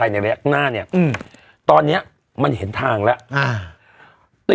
ในแรกหน้าเนี้ยอืมตอนเนี้ยมันเห็นทางแล้วอ่า